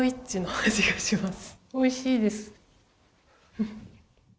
おいしいです。